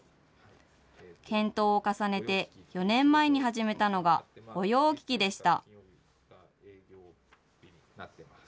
検討を重ねて４年前に始めたのが、御用聞きでした。